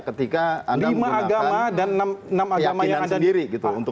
ketika anda menggunakan keyakinan sendiri untuk jadi aturan publik